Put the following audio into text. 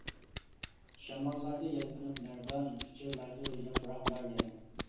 شاماللاردا يەلپۈنۈپ لەرزان، پىچىرلايدۇ ياپراقلار يەنە.